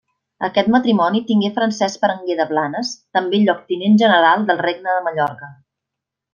Aquest matrimoni tingué Francesc Berenguer de Blanes, també lloctinent general del regne de Mallorca.